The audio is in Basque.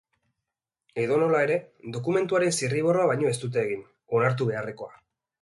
Edonola ere, dokumentuaren zirriborroa baino ez dute egin, onartu beharrekoa.